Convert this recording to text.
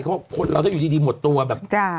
เพราะคนเราถ้าอยู่ดีหมดตัวแบบ